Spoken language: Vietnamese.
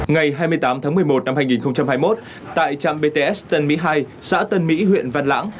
ngày hai mươi tám tháng một mươi một năm hai nghìn hai mươi một tại trạm bts tân mỹ hai xã tân mỹ huyện văn lãng